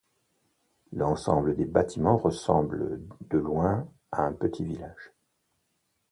L'ensemble des bâtiments ressemble de loin à un petit village.